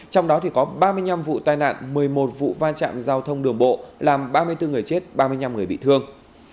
trong đó có ba mươi năm vụ tai nạn một mươi một vụ va chạm giao thông đường bộ làm ba mươi bốn người chết ba mươi năm người bị thương